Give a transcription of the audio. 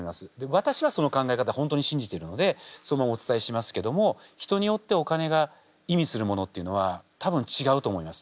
私はその考え方本当に信じているのでそのままお伝えしますけども人によってお金が意味するものっていうのは多分違うと思います。